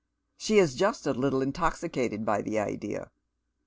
She is just a little intoxicated by the idea.